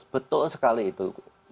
betul sekali itu